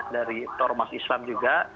dari tor mas islam juga